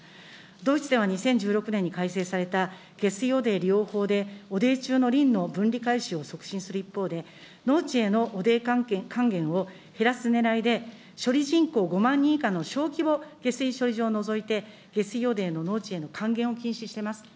ドイツでは２０１６年に改正された下水汚泥利用法で、汚泥中のリンの分離回収を促進する一方で、農地への汚泥還元を減らすねらいで、処理人口５万人以下の小規模下水処理場を除いて、下水汚泥の農地への還元を禁止してます。